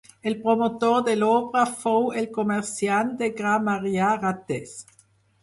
El promotor de l'obra fou el comerciant de gra Marià Ratés.